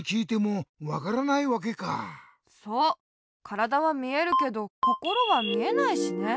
からだはみえるけどこころはみえないしね。